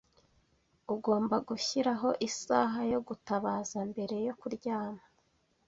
Ugomba gushyiraho isaha yo gutabaza mbere yo kuryama.